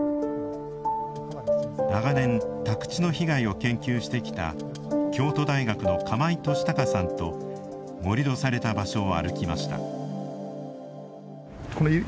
長年、宅地の被害を研究してきた京都大学の釜井俊孝さんと盛土された場所を歩きました。